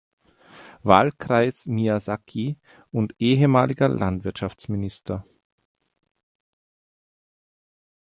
Wahlkreis Miyazaki und ehemaliger Landwirtschaftsminister.